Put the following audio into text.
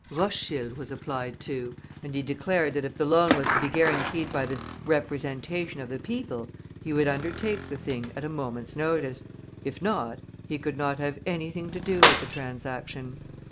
Rothschild was applied to, and he declared that if the loan was to be guaranteed by this "Representation of the People," he would undertake the thing at a moment's notice if not, he could not have anything to do with the transaction.